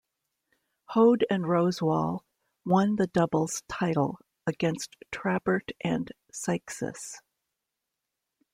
Hoad and Rosewall won the doubles title against Trabert and Seixas.